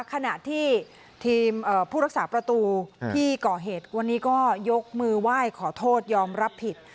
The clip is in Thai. ขณะที่ทีมผู้รักษาประตูที่ก่อเหตุวันนี้ก็ยกมือไหว้ขอโทษยอมรับผิด